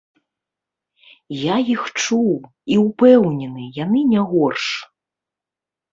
Я іх чуў, і, упэўнены, яны не горш.